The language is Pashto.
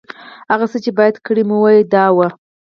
هغه څه چې باید کړي مې وای، دا و.